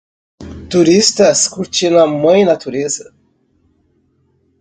Turistas curtindo a mãe natureza.